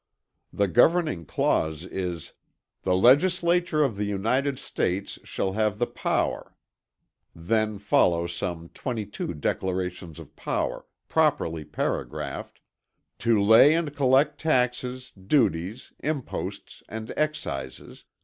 The governing clause is, "The Legislature of the United States shall have the power." Then follow some 22 declarations of power, properly paragraphed: "To lay and collect taxes, duties, imposts and excises."